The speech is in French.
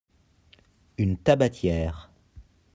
une tabatière.